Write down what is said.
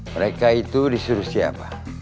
mereka itu disuruh siapa